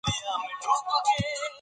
باد پاڼې لرې ځایونو ته وړي.